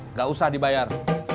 nggak usah dibayar